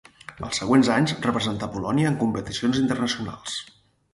Els següents anys representà Polònia en competicions internacionals.